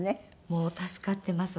もう助かってます